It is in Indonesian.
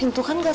itu ya udah